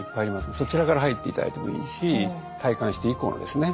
そちらから入って頂いてもいいし退官して以降のですね